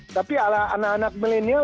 tapi anak anak milenial